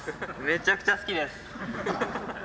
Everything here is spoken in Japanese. めちゃくちゃ好きです！